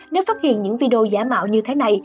nếu phát hiện những video giả mạo như thế này